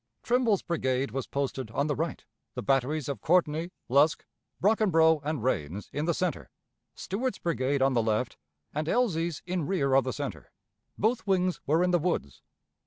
Trimble's brigade was posted on the right, the batteries of Courtney, Lusk, Brockenbrough, and Rains in the center, Stuart's brigade on the left, and Elzey's in rear of the center. Both wings were in the woods.